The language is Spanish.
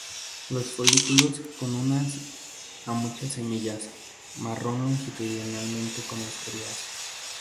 Los folículos con unas a muchas semillas, marrón, longitudinalmente con estrías.